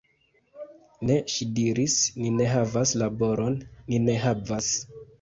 Ne, ŝi diris, ni ne havas laboron, ni ne havas!